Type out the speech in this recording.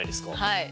はい。